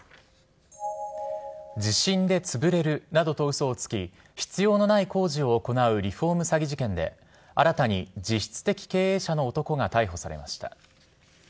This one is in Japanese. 地震で潰れるなどとうそをつき、必要のない工事を行うリフォーム詐欺事件で、新たに実質的経営者の男が逮捕されました。